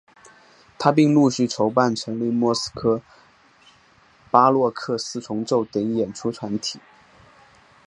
他并陆续筹办成立莫斯科巴洛克四重奏等演出团体。